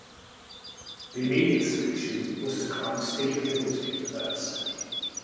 The immediate solution was to climb steep hills in reverse.